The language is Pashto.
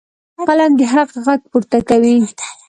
قلم د حق غږ پورته کوي.